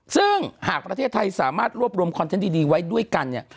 ซึ่งหากประเทศไทยสามารถรวบรวมคอนเทนต์ดีไว้ด้วยกันเนี่ย